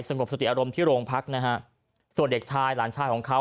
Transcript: งบสติอารมณ์ที่โรงพักนะฮะส่วนเด็กชายหลานชายของเขา